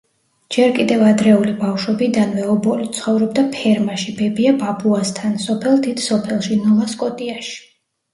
ჯერ კიდევ ადრეული ბავშვობიდანვე ობოლი, ცხოვრობდა ფერმაში, ბებია-ბაბუასთნ, სოფელ „დიდ სოფელში“, ნოვა სკოტიაში.